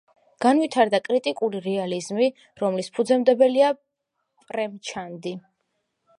განვითარდა კრიტიკული რეალიზმი, რომლის ფუძემდებელია პრემჩანდი.